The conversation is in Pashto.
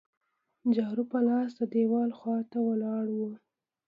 جارو په لاس د دیوال خوا ته ولاړ وو.